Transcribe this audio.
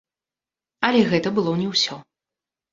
Але гэта было не ўсё.